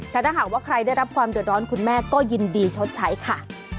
แต่ถ้าหากว่าใครได้รับความเดือดร้อนคุณแม่ก็ยินดีชดใช้ค่ะ